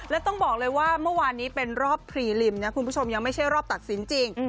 และต้องบอกเลยว่าเมื่อวานนี้เป็นรอบพรีลิมนะคุณผู้ชมยังไม่ใช่รอบตัดสินจริง